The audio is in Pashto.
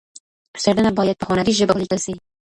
څېړنه باید په هنري ژبه ولیکل سي.